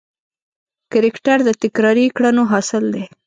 کرکټر د تکراري کړنو حاصل دی.